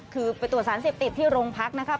คือไปตรวจสารเสพติดที่โรงพักนะครับ